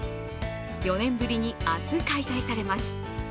４年ぶりに明日、開催されます。